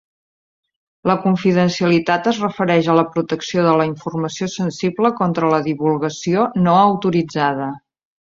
La confidencialitat es refereix a la protecció de la informació sensible contra la divulgació no autoritzada.